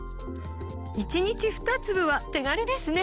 １日２粒は手軽ですね！